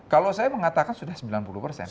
kalau saya mengatakan sudah sembilan puluh persen